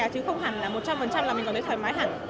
chứ không hẳn là một trăm linh là mình có thể thoải mái hẳn